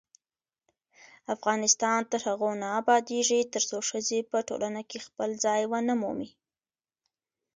افغانستان تر هغو نه ابادیږي، ترڅو ښځې په ټولنه کې خپل ځای ونه مومي.